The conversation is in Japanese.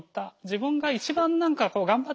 自分が一番何か頑張ってる。